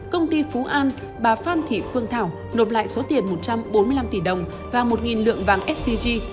công ty phú an bà phan thị phương thảo nộp lại số tiền một trăm bốn mươi năm tỷ đồng và một lượng vàng scg